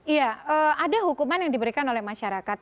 iya ada hukuman yang diberikan oleh masyarakat